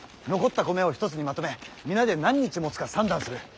残った米を一つにまとめ皆で何日もつか算段する。